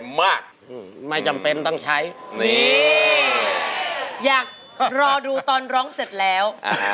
เยอะเยี่ยมค่ะมั่นใจมากนี่อยากรอดูตอนร้องเสร็จแล้ว